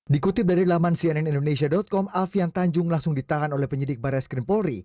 dikutip dari laman cnnindonesia com alfian tanjung langsung ditahan oleh penyidik barai skrim polri